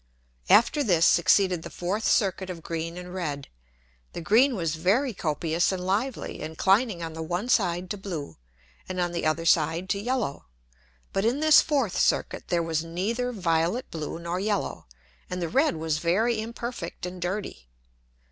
After this succeeded the fourth Circuit of green and red. The green was very copious and lively, inclining on the one side to blue, and on the other side to yellow. But in this fourth Circuit there was neither violet, blue, nor yellow, and the red was very imperfect and dirty.